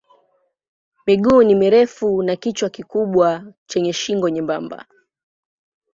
Miguu ni mirefu na kichwa kikubwa chenye shingo nyembamba.